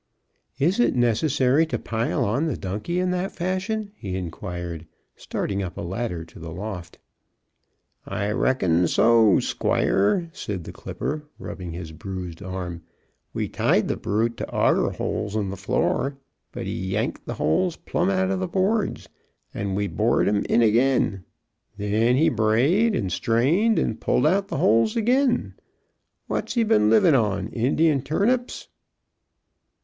"Is it necessary to pile on the donkey in that fashion?" he inquired, starting up a ladder to the loft. "I reckon so, squire," said the clipper, rubbing his bruised arm; "we tied the brute t' auger holes in the floor, but he yanked the holes plumb out o' the boards, and we bored 'em in agin. Then he brayed, and strained, and pulled out the holes agin. What's he been livin' on? Indian turnips?"